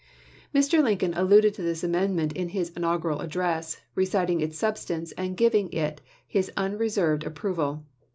Mr. Lincoln alluded to this amendment in his inaugural address, reciting its substance and giv ing it his unreserved approval.